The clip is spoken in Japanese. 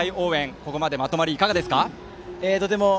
ここまでまとまりはいかがですか。